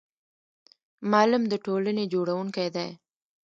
معلم د ټولنې جوړونکی دی